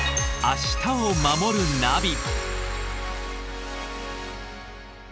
「明日をまもるナビ」